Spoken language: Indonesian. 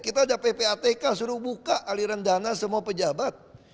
kita ada ppatk suruh buka aliran dana semua pejabat